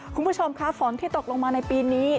คุณผู้ชมค่ะฝนที่ตกลงมาในปีนี้